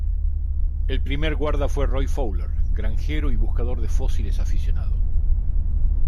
El primer guarda fue Roy Fowler, granjero y buscador de fósiles aficionado.